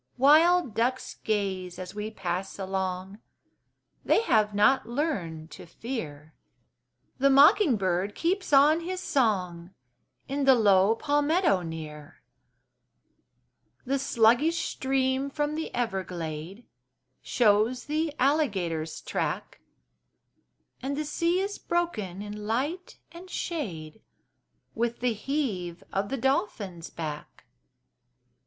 Wild ducks gaze as we pass along: They have not learned to fear; The mocking bird keeps on his song In the low palmetto near; The sluggish stream from the everglade Shows the alligator's track, And the sea is broken in light and shade With the heave of the dolphin's back.